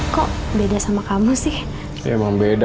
kok beda sama kamu sih emang beda